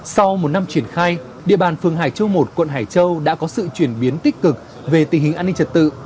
sau một năm triển khai địa bàn phường hải châu một quận hải châu đã có sự chuyển biến tích cực về tình hình an ninh trật tự